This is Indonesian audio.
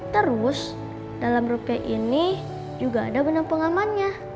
terus dalam rupe ini juga ada benang pengamannya